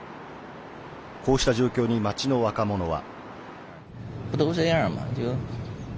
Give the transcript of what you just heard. こうした状況に街の若者は。